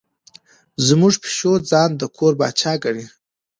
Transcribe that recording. زموږ پیشو ځان د کور پاچا ګڼي.